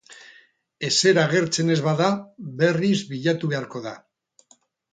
Ezer agertzen ez bada, berriz bilatu beharko da.